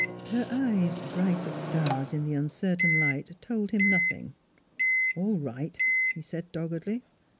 Her eyes, bright as stars in the uncertain light, told him nothing. " All right," he said doggedly.